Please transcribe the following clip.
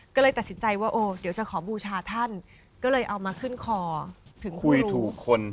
ก็เลยตัดสินใจว่าโอ้เดี๋ยวจะขอบูชาท่านก็เลยเอามาขึ้นคอถึงคุยถูกคน